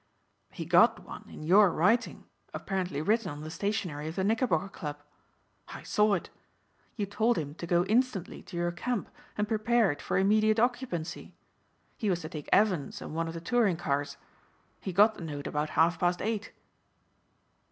"He got one in your writing apparently written on the stationery of the Knickerbocker Club. I saw it. You told him to go instantly to your camp and prepare it for immediate occupancy. He was to take Evans and one of the touring cars. He got the note about half past eight."